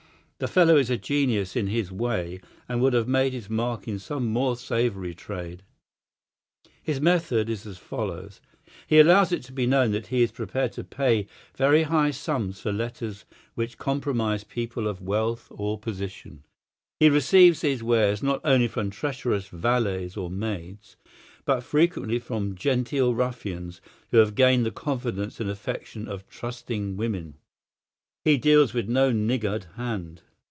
The fellow is a genius in his way, and would have made his mark in some more savoury trade. His method is as follows: He allows it to be known that he is prepared to pay very high sums for letters which compromise people of wealth or position. He receives these wares not only from treacherous valets or maids, but frequently from genteel ruffians who have gained the confidence and affection of trusting women. He deals with no niggard hand.